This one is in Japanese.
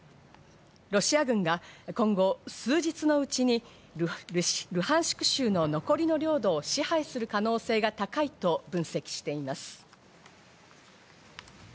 ロシア軍が今後、数日のうちに、ルハンシク州の残りの領土を支配する可能性が高いと分析しています。